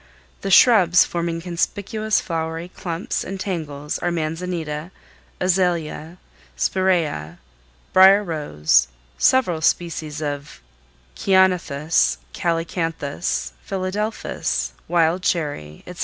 The shrubs forming conspicuous flowery clumps and tangles are manzanita, azalea, spiræa, brier rose, several species of ceanothus, calycanthus, philadelphus, wild cherry, etc.